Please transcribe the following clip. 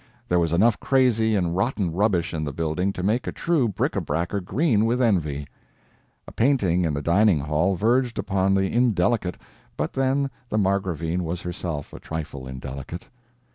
There was enough crazy and rotten rubbish in the building to make a true brick a bracker green with envy. A painting in the dining hall verged upon the indelicate but then the Margravine was herself a trifle indelicate.